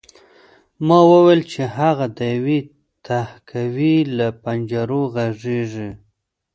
ما ولیدل چې هغه د یوې تهکوي له پنجرو غږېږي